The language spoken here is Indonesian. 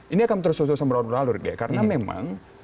ini akan terus terusan berulur ulur karena memang